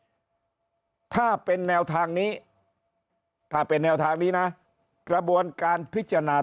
สารจะกำหนดวันเปิดพิจารณาคดีแล้วก็ไต่สวนพยานถ้าเป็นแนวทางนี้ถ้าเป็นแนวทางนี้นะกระบวนการพิจารณา